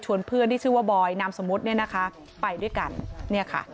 เพื่อนที่ชื่อว่าบอยนามสมมุติเนี่ยนะคะไปด้วยกันเนี่ยค่ะ